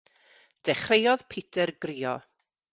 Dechreuodd Peter grïo.